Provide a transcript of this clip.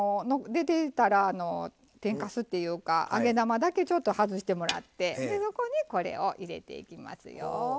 出てたら天かすっていうか揚げ玉だけちょっと外してもらってそこにこれを入れていきますよ。